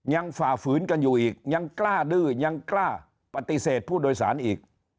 ฝ่าฝืนกันอยู่อีกยังกล้าดื้อยังกล้าปฏิเสธผู้โดยสารอีก